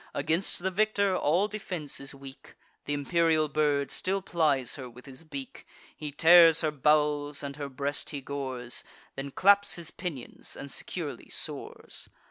Against the victor, all defence is weak: Th' imperial bird still plies her with his beak; He tears her bowels, and her breast he gores; Then claps his pinions, and securely soars.